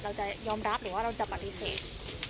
เราจะยอมรับหรือว่าเราจะปฏิเสธ